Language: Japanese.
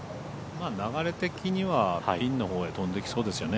流れ的にはピンのほうへ飛んでいきそうですよね